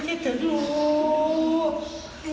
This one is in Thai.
เออคิดถึงลูก